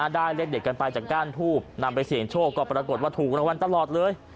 ได้เลขเด็ดกันไปจากก้านทูบนำไปเสี่ยงโชคก็ปรากฏว่าถูกรางวัลตลอดเลย